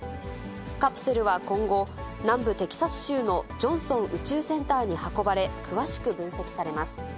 カプセルは今後、南部テキサス州のジョンソン宇宙センターに運ばれ、詳しく分析されます。